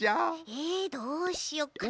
えどうしよっかな。